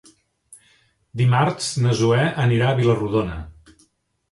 Dimarts na Zoè anirà a Vila-rodona.